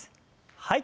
はい。